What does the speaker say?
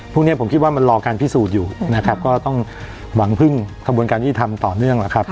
พวกนี้ผมคิดว่ามันรอการพิสูจน์อยู่นะครับก็ต้องหวังพึ่งกระบวนการยุติธรรมต่อเนื่องแล้วครับ